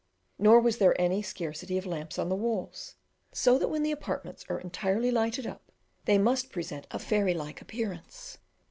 Nor was there any scarcity of lamps on the walls, so that when the apartments are entirely lighted up, they must present a fairy like appearance.